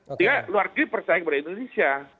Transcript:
sehingga luar negeri percaya kepada indonesia